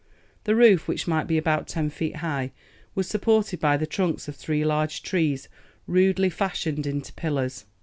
The roof, which might be about ten feet high, was supported by the trunks of three large trees rudely fashioned into pillars.